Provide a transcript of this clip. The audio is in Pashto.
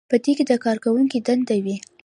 په دې کې د کارکوونکي دندې وي.